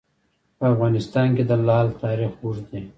په افغانستان کې د لعل تاریخ اوږد دی.